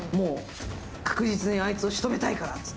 確実にあいつをしとめたいからって。